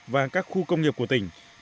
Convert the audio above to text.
và các khu công nghiệp của tỉnh